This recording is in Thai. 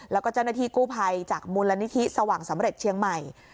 แล้วก็เจ้าหน้าที่กู้ภัยจากมูลนิธิสว่างสำเร็จเชียงใหม่